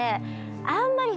あんまり。